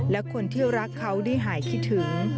และคนที่รักเขาได้หายคิดถึง